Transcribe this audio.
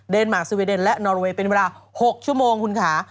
มาร์คสเวเดนและนอรเวย์เป็นเวลา๖ชั่วโมงคุณค่ะ